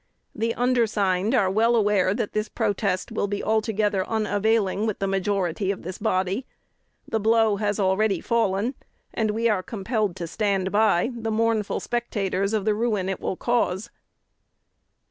"The undersigned are well aware that this protest will be altogether unavailing with the majority of this body. The blow has already fallen; and we are compelled to stand by, the mournful spectators of the ruin it will cause."